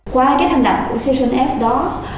qua cái thành đặt của station f đó